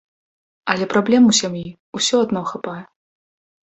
Але праблем у сям'і ўсё адно хапае.